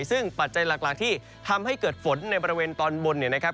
ซึ่งปัจจัยหลักที่ทำให้เกิดฝนในบริเวณตอนบนเนี่ยนะครับ